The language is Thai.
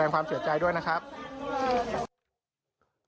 ความเสียใจด้วยนะครับ